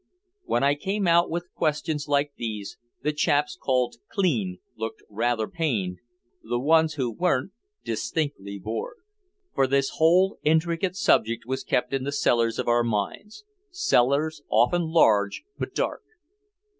When I came out with questions like these, the chaps called "clean" looked rather pained; the ones who weren't, distinctly bored. For this whole intricate subject was kept in the cellars of our minds, cellars often large but dark.